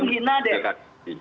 sepertinya menghina deh